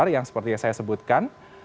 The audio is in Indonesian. yang seperti yang saya sebutkan